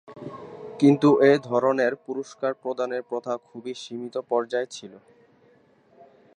কিন্তু এ ধরনের পুরস্কার প্রদানের প্রথা খুবই সীমিত পর্যায়ে ছিল।